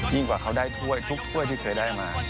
กว่าเขาได้ถ้วยทุกถ้วยที่เคยได้มา